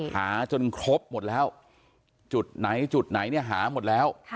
หาจนครบหมดแล้วจุดไหนจุดไหนเนี่ยหาหมดแล้ว